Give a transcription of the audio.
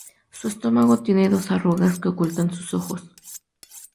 Su estómago tiene dos arrugas que ocultan sus ojos.